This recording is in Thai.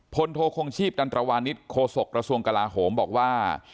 โทคงชีพตันตรวานิสโคศกระทรวงกลาโหมบอกว่า